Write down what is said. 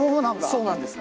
そうなんです。